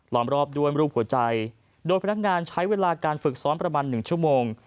อมรอบด้วยรูปหัวใจโดยพนักงานใช้เวลาการฝึกซ้อมประมาณ๑ชั่วโมง